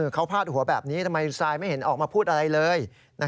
เขาพาดหัวแบบนี้ทำไมซายไม่เห็นออกมาพูดอะไรเลย